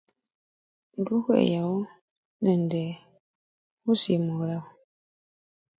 Indi khukhweyawo nende khusimulawo.